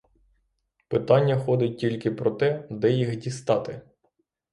Питання ходить тільки про те, де їх дістати!